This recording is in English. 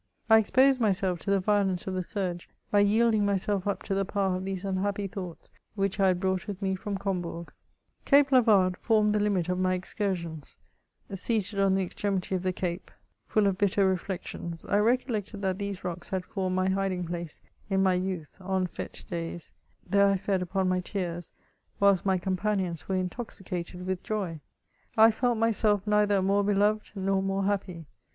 I exposed myself to the violence of the surge, by yielding myself up to the power of these unhappy thoughts which I had brought with me from Combourg. CHATEAUBRIAND. 1 45 r— ■iiii i— I I .^ Cape Lavarde formed the limit of my excursions ; seated on •the extremity of the cape, full of bitter reflections, I recol lected that these rocks had formed my hiding place in my youth onf4te days; there I fed upon my tears, whilst my companions were intoxicated with joy. I felt myself neither more beloved nor more happy.